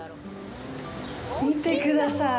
見てください。